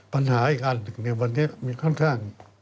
ปัญหาอีกอันหนึ่งในวันนี้มีค่อนข้าง